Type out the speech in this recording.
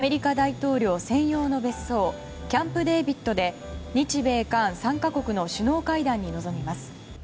岸田総理大臣は、まもなくアメリカ大統領専用の別荘キャンプデービッドで日米韓３か国の首脳会談に臨みます。